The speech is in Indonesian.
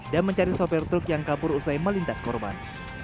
dan mencari sopir truk yang kabur usai melintas korban